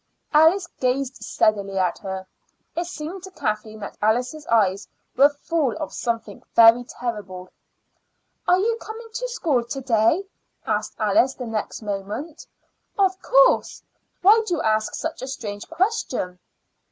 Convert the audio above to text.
Alice gazed steadily at her. It seemed to Kathleen that Alice's eyes were full of something very terrible. "Are you coming to school to day?" asked Alice the next moment. "Of course. Why do you ask such a strange question?"